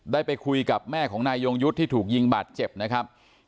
ได้ไปคุยกับแม่ของนายยงยุทธ์ที่ถูกยิงบาดเจ็บนะครับ